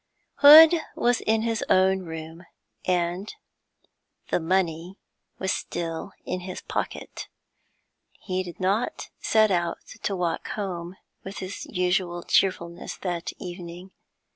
Hood was in his own room, and the money was still in his pocket.... He did not set out to walk home with his usual cheerfulness that evening.